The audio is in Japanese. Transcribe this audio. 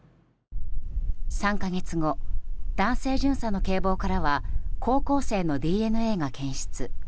３か月後、男性巡査の警棒からは高校生のＤＮＡが検出。